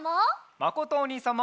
まことおにいさんも。